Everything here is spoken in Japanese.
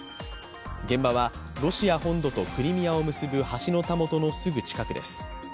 現場はロシア本土とクリミアを結ぶ橋のたもとのすぐ近くです。